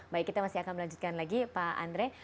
baik kita masih akan melanjutkan lagi pak andre